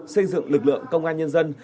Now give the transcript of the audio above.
xây dựng lực lượng công an nhân dân